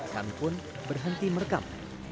kami pun berhenti merekam